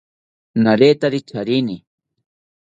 Naretari charini